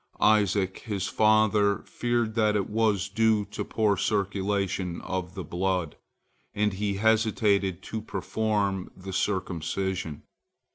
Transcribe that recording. Isaac, his father, feared that it was due to poor circulation of the blood, and he hesitated to perform the circumcision.